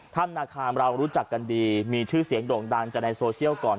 ถ้ำนาคามเรารู้จักกันดีมีชื่อเสียงโด่งดังจากในโซเชียลก่อน